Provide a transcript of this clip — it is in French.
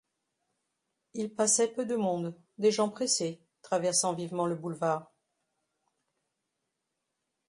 Il passait peu de monde, des gens pressés, traversant vivement le boulevard.